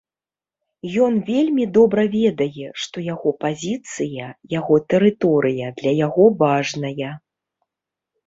Ён вельмі добра ведае, што яго пазіцыя, яго тэрыторыя для яго важная.